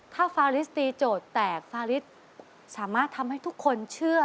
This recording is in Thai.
ถ้าฟาลิสตีโจทย์แตกฟาริสสามารถทำให้ทุกคนเชื่อ